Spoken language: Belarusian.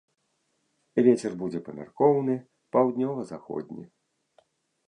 Вецер будзе памяркоўны, паўднёва-заходні.